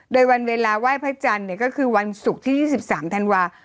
โดยวันเวลาไหว้พระจันทร์ก็คือวันศุกร์ที่๒๓ธันวา